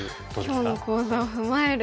今日の講座を踏まえると。